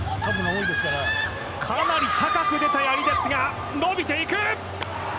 かなり高く出たやりですが伸びていく！